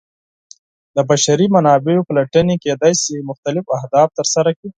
د بشري منابعو پلټنې کیدای شي مختلف اهداف ترسره کړي.